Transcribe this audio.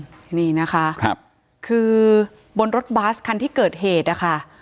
อืมนี่นะคะครับคือบนรถบัสคันที่เกิดเหตุอะค่ะ